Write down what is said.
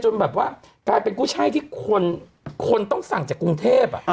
จะเป็นกู้ใช้ที่คนต้องสั่งจากกรุงเทพฯ